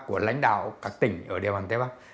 của lãnh đạo các tỉnh ở địa bàn tây bắc